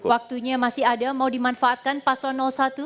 waktunya masih ada mau dimanfaatkan paslon satu